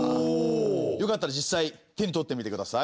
よかったら実際手に取ってみてください。